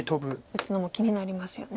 打つのも気になりますよね。